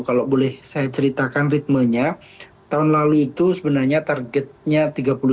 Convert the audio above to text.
kalau boleh saya ceritakan ritmenya tahun lalu itu sebenarnya targetnya tiga puluh tujuh